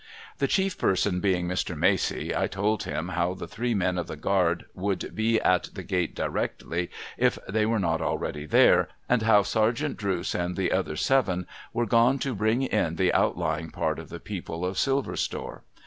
The chief person being Mr. Macey, I told him how the three men of the guard would be at the gate directly, if they were not already there, and how Sergeant Drooce and the other seven were gone to bring in the outlying part of the people of Silver Store.